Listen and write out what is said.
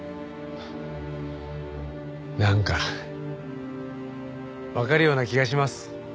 なんかわかるような気がします。